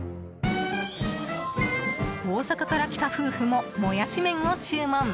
大阪から来た夫婦ももやし麺を注文。